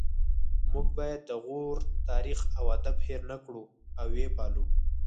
موږ باید د غور تاریخ او ادب هیر نکړو او ويې پالو